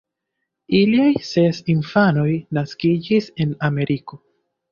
Iliaj ses infanoj naskiĝis en Ameriko.